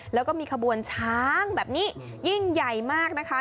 แล้วก็มีขบวนช้างแบบนี้ยิ่งใหญ่มากนะคะ